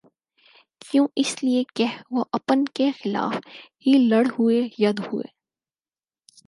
کیوں اس لیے کہہ وہ اپن کیخلاف ہی لڑ ہوئے ید ہوئے